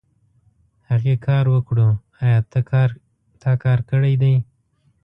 هغې کار وکړو ايا تا کار کړی دی ؟